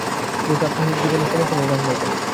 তিনি প্রাত্যহিক জীবনের সমস্যা নিয়ে গান গাইতেন।